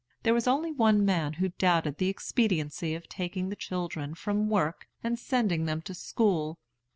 There was only one man who doubted the expediency of taking the children from work and sending them to school.